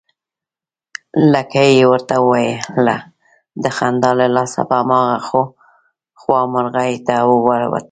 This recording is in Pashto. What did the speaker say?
لکۍ يې ورته ويله، د خندا له لاسه په هماغه خوا مرغۍ نه ورتلې